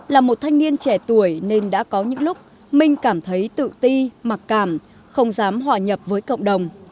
là một thanh niên trẻ tuổi nên đã có những lúc minh cảm thấy tự ti mặc cảm không dám hòa nhập với cộng đồng